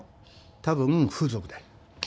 多分風俗だよ。